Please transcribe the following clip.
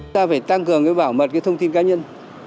ta phải tăng cường bảo mật thông tin cá nhân